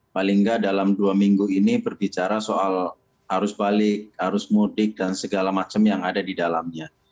paling nggak dalam dua minggu ini berbicara soal arus balik arus mudik dan segala macam yang ada di dalamnya